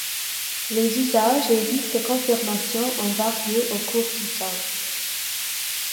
Les usages et rites de confirmation ont varié au cours du temps.